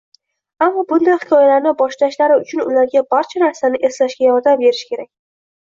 ammo bunday hikoyalarni boshlashlari uchun ularga barcha narsani eslashga yordam berish kerak: